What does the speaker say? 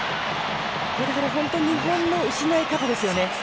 日本の失い方ですよね。